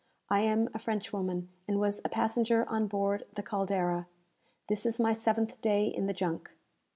I am a Frenchwoman, and was a passenger on board the 'Caldera.' This is my seventh day in the junk.